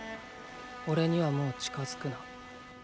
おれにはもう近付くな。